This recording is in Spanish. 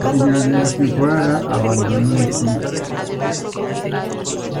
Al final de la temporada, abandonó el club.